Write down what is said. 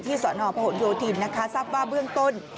ที่สวนอพโหดโยธินสัพว่าเบื้องต้น